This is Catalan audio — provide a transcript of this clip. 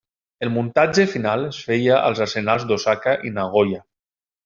El muntatge final es feia als arsenals d'Osaka i Nagoya.